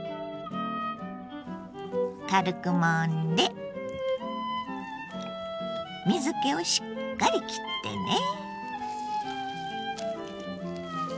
軽くもんで水けをしっかりきってね。